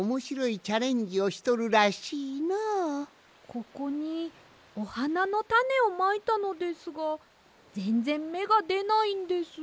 ここにおはなのたねをまいたのですがぜんぜんめがでないんです。